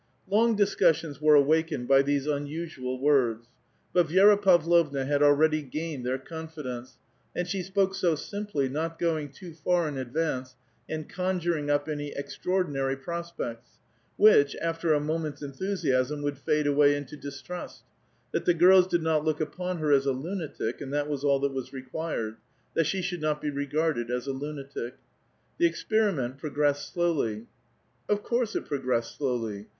Long discussions were awakened by these unusual words. But Viera Pavlovna had already gained their confidence, and she spoke so simply, not going too far in advance, not conjuring up any extraordinary prospects, which, after a moment's enthusiasm, would fade away into distiiist, that the girls did not look upon her a^a lunatic, and that was all that was required, — that she should not be regarded as a lunatic. The experiment progressed slowly. Of course it progressed slowly.